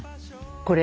これ。